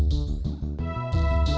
pakai apa sarapannya